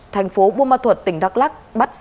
thành phố buôn ma thuật tỉnh đắk lắc